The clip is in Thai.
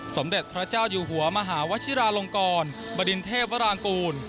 สมเด็จพระเจ้าอยู่หัวมหาวชิราลงกรบริณเทพวรางกูล